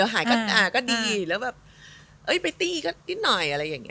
หายก็ดีแบบไปตีก็ขึ้นหน่อย